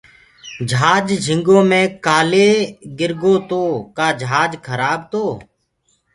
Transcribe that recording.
جھاج جھنٚگو مي ڪآلي دُبرو تو ڪآ جھاج کرآب تو